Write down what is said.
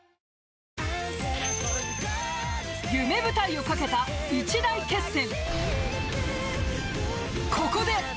［夢舞台を懸けた一大決戦］